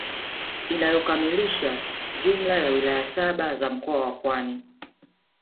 Inayokamilisha jumla ya wilaya saba za mkoa wa Pwani